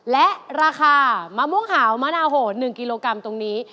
และราคามะม่วงหาวมะนาวโหด๑กิโลกรัมตรงนี้